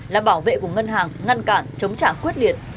là bảo vệ của ngân hàng ngăn cản chống trả quyết liệt